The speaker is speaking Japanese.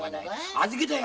預けたよ